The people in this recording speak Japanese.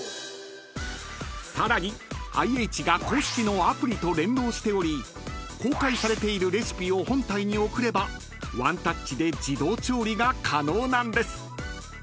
［さらにＩＨが公式のアプリと連動しており公開されているレシピを本体に送ればワンタッチで自動調理が可能なんです］